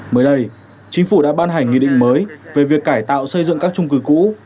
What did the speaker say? mới đây chính phủ đã ban hành nghị định mới về việc cải tạo xây dựng các trung cư cũ